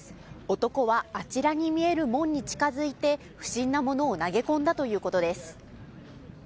男はあちらに見える門に近づいて不審なものを投げ込んだということです。